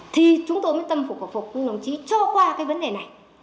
thì chúng tôi mới tâm phục hợp phục đồng chí cho qua cái vấn đề này